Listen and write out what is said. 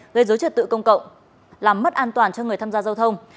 gây dối trật tự công cộng làm mất an toàn cho người tham gia giao thông